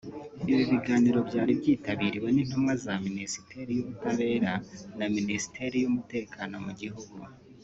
Ibi biganiro byari byitabiriwe n’intumwa za Minisiteri y’ubutabera na Minisiteri y’Umutekano mu gihugu